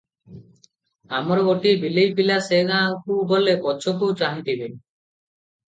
ଆମର ଗୋଟିଏ ବିଲେଇ ପିଲା ସେ ଗାଁକୁ ଗଲେ ପଛକୁ ଚାହିଁଥିବେ ।